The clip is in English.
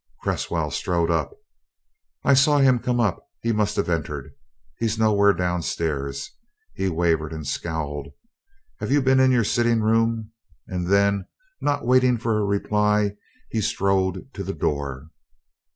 Cresswell strode up. "I saw him come up he must have entered. He's nowhere downstairs," he wavered and scowled. "Have you been in your sitting room?" And then, not waiting for a reply, he strode to the door.